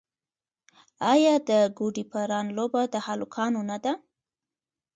آیا د ګوډي پران لوبه د هلکانو نه ده؟